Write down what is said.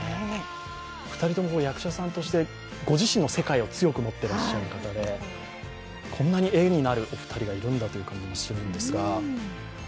２人とも役者さんとしてご自身の世界を強く持っていらっしゃる方でこんなに、えになる二人がいるのかという感じがしてるんですが。